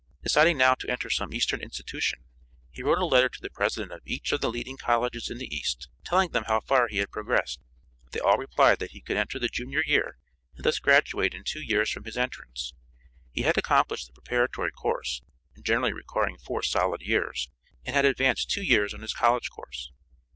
Deciding now to enter some eastern institution, he wrote a letter to the president of each of the leading colleges in the east, telling them how far he had progressed. They all replied that he could enter the junior year, and thus graduate in two years from his entrance. He had accomplished the preparatory course, generally requiring four solid years, and had advanced two years on his college course.